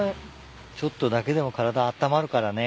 ちょっとだけでも体あったまるからね。